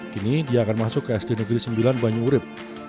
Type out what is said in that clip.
kini dia akan masuk ke sd negeri sembilan banyurit